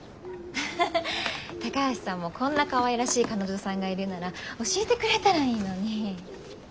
ハッハハ高橋さんもこんなかわいらしい彼女さんがいるなら教えてくれたらいいのに。